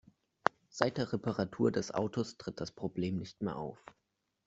Seit der Reparatur des Autos tritt das Problem nicht mehr auf.